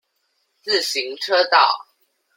自行車道